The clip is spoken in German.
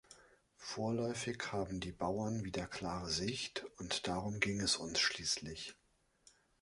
Vorläufig haben die Bauern wieder klare Sicht, und darum ging es uns schließlich.